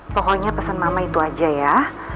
pokoknya pesan mama itu aja ya